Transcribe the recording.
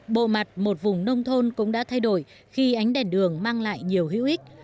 bộ mặt một vùng nông thôn cũng đã thay đổi khi ánh đèn đường mang lại nhiều hữu ích